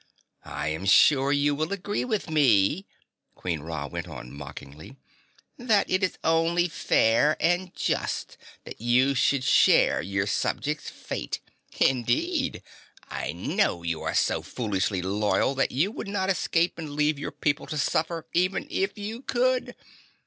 I am sure you will agree with me," Queen Ra went on mockingly, "that it is only fair and just that you should share your subjects' fate. Indeed I know you are so foolishly loyal that you would not escape and leave your people to suffer even if you could.